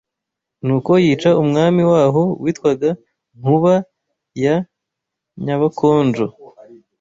Nuko yica Umwami waho witwaga NKUBA YA NYABAKONJO,